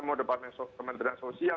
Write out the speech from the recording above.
mau departemen kementerian sosial